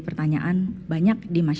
karena mereka benar benar berkeras